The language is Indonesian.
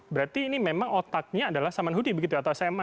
berarti ini memang otaknya adalah saman hudi begitu atau sma ini ya